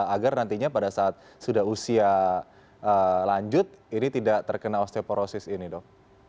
agar nantinya pada saat sudah usia lanjut ini tidak terkena osteoporosis ini dok